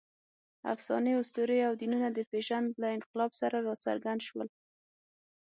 افسانې، اسطورې او دینونه د پېژند له انقلاب سره راڅرګند شول.